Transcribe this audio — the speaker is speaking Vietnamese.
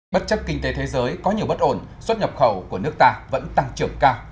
bất chấp kinh tế thế giới có nhiều bất ổn xuất nhập khẩu của nước ta vẫn tăng trưởng cao